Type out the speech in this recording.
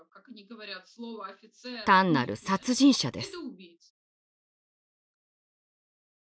単なる殺人者です。